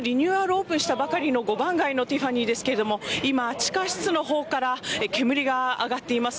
オープンしたばかりの５番街のティファニーですけれども今、地下室のほうから煙が上がっています。